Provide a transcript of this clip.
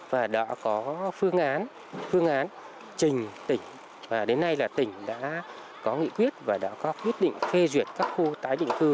và đã có phương án phương án trình tỉnh và đến nay là tỉnh đã có nghị quyết và đã có quyết định phê duyệt các khu tái định cư